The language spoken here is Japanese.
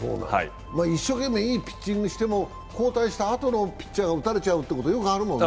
一生懸命いいピッチングをしても交代したピッチャーが打たれちゃうってことよくあるもんね。